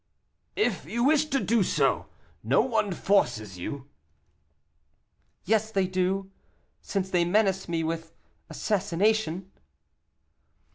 "If you wish to do so; no one forces you." "Yes, they do, since they menace me with assassination."